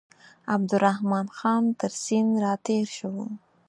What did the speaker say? عبدالرحمن خان تر سیند را تېر شو.